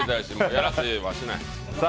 やらせはしない。